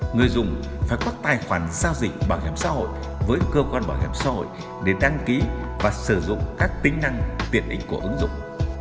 nói có tài khoản giao dịch bảo hiểm xã hội với cơ quan bảo hiểm xã hội để đăng ký và sử dụng các tính năng tiện định của ứng dụng